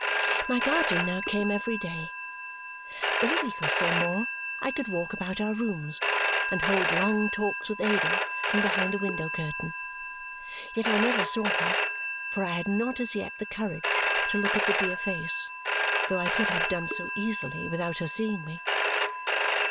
My guardian now came every day. In a week or so more I could walk about our rooms and hold long talks with Ada from behind the window curtain. Yet I never saw her, for I had not as yet the courage to look at the dear face, though I could have done so easily without her seeing me.